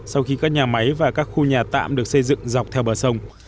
sau khi các nhà máy và các khu nhà tạm được xây dựng dọc theo bờ sông